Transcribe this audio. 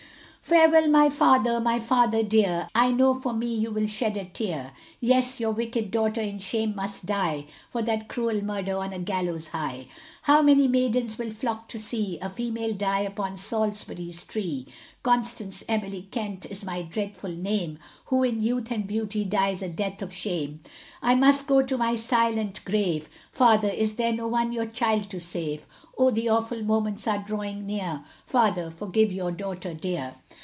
Farewell my father, my father dear, I know for me you will shed a tear, Yes, your wicked daughter in shame must die, For that cruel murder on a gallows high. How many maidens will flock to see, A female die upon Salisbury's tree. Constance Emily Kent is my dreadful name, Who in youth and beauty dies a death of shame. I must go to my silent grave, Father, is there no one your child to save, Oh the awful moments are drawing near, Father, forgive your daughter dear.